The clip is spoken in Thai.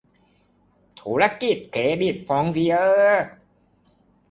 ธุรกิจเครดิตฟองซิเอร์